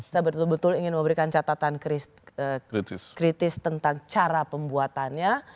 saya betul betul ingin memberikan catatan kritis tentang cara pembuatannya